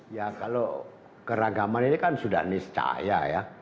ya kalau keragaman ini kan sudah niscaya ya